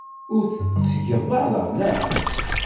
Ur t-tettgeḍ ara, naɣ?